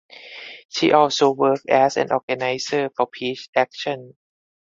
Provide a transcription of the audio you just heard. She also worked as an organizer for Peace Action.